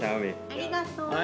ありがとう。